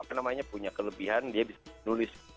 apa namanya punya kelebihan dia bisa menulis